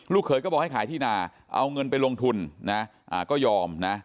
เขยก็บอกให้ขายที่นาเอาเงินไปลงทุนนะก็ยอมนะ